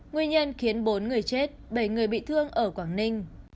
nguyên nhân khiến bốn người chết bảy người bị thương ở quảng ninh